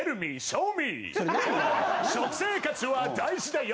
「食生活は大事だよ」